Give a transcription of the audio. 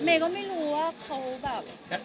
ก็ไม่รู้ว่าเขาแบบ